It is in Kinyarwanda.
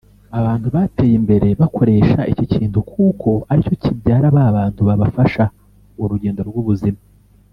Abantu bateye imbere bakoresha iki kintu kuko aricyo kibyara b’abantu babafasha urugendo rw’ubuzima